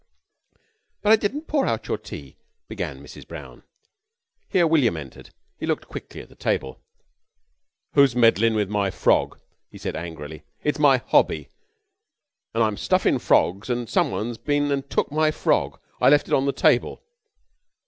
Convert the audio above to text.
"But I didn't pour out your tea " began Mrs. Brown. Here William entered. He looked quickly at the table. "Who's meddlin' with my frog?" he said angrily. "It's my hobby, an' I'm stuffin' frogs an' someone's been an' took my frog. I left it on the table."